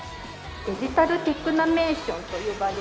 デジタルテクナメーションと呼ばれる。